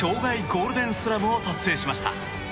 ゴールデンスラムを達成しました。